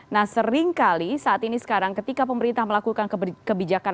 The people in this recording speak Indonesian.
nah seringkali saat ini sekarang ketika pemerintah melakukan kebijakan